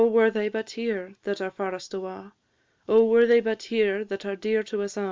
Oh, were they but here that are farest awa'! Oh, were they but here that are dear to us a'!